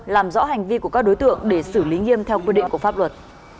làm rõ hành vi của các đối tượng để xử lý nghiêm theo quy định của pháp luật